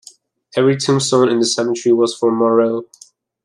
"Every tombstone in the cemetery was for a Moreau".